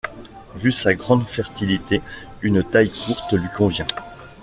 Vu sa grande fertilité, une taille courte lui convient.